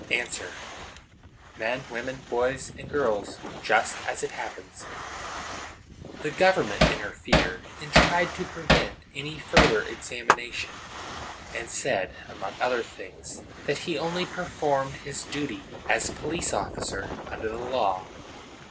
A. Men, women, boys and girls, just as it happens. [The government interfered, and tried to prevent any further examination; and said, among other things, that he only performed his duty as police officer under the law.